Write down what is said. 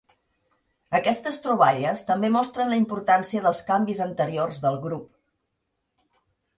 Aquestes troballes també mostren la importància dels canvis anteriors del grup.